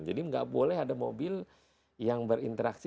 jadi gak boleh ada mobil yang berinteraksi